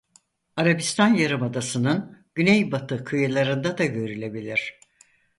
Arabistan yarımadasının Güneybatı kıyılarında da görülebilir.